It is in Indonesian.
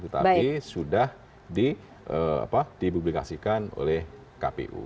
tapi sudah dipublikasikan oleh kpu